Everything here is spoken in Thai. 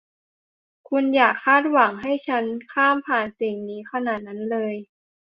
คุณอย่าคาดหวังให้ฉันข้ามผ่านสิ่งนี้ขนาดนั้นเลย